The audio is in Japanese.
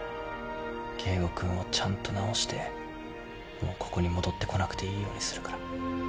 圭吾君をちゃんと治してもうここに戻ってこなくていいようにするから。